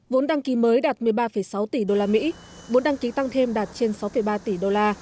vốn đăng ký mới đạt một mươi ba sáu tỷ đô la mỹ vốn đăng ký tăng thêm đạt trên sáu ba tỷ đô la